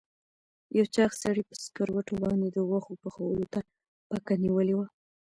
یو چاغ سړي په سکروټو باندې د غوښو پخولو ته پکه نیولې وه.